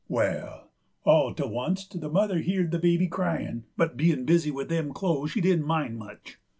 Wall, all to oncet the mother heerd the baby cryin', but bein' busy with them clo'es she didn't mind much.